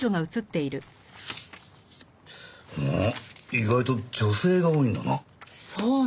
意外と女性が多いんだな。